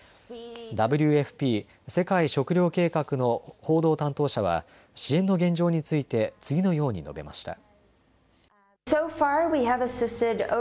ＷＦＰ・世界食糧計画の報道担当者は支援の現状について次のように述べました。